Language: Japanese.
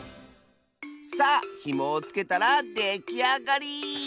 さあひもをつけたらできあがり！